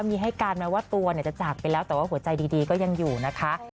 มีให้การแม้ว่าตัวจะจากไปแล้วแต่ว่าหัวใจดีก็ยังอยู่นะคะ